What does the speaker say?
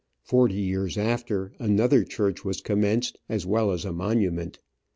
Forty years after, another church was commenced, as well as a monument.